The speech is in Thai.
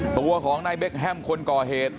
ตัวของนายเบคแฮมคนก่อเหตุ